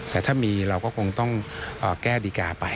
แต่ถ้ามีเราก็คงต้องแก้ดีการ์ไป